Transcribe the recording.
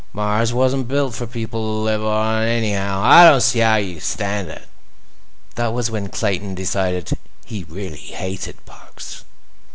Mars wasn't built for people to live on, anyhow. I don't see how you stand it." That was when Clayton decided he really hated Parks.